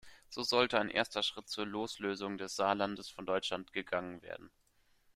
So sollte ein erster Schritt zur Loslösung des Saarlandes von Deutschland gegangen werden.